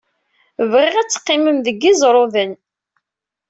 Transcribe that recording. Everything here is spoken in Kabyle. Bɣiɣ ad teqqimem deg Iẓerruden.